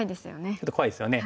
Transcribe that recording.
ちょっと怖いですよね。